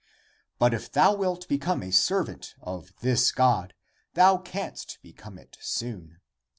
But if thou wilt become a servant of this God, thou canst become it soon.